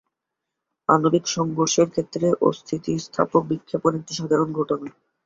আণবিক সংঘর্ষের ক্ষেত্রে অস্থিতিস্থাপক বিক্ষেপণ একটি সাধারণ ঘটনা।